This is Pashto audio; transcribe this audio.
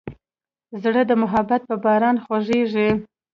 زړه د محبت په باران غوړېږي.